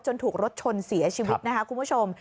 ถูกรถชนเสียชีวิตนะคะคุณผู้ชม